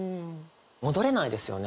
戻れないですよね